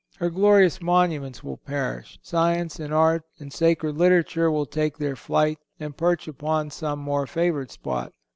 Her glorious monuments will perish. Science and art and sacred literature will take their flight and perch upon some more favored spot.